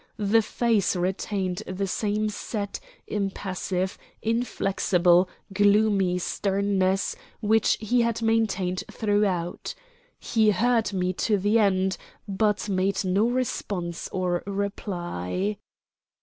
The face retained the same set, impassive, inflexible, gloomy sternness which he had maintained throughout. He heard me to the end, but made no response or reply.